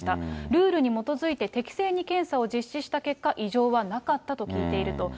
ルールに基づいて適正に検査を実施した結果、異常はなかったと聞いていると。